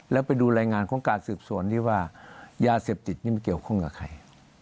แล้วไปดูรายงานของการสืบสวนที่ว่ายาเสพติดนี่มันเกี่ยวข้องกับใคร